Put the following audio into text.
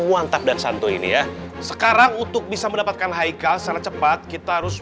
wantak dan santu ini ya sekarang untuk bisa mendapatkan haikal secara cepat kita harus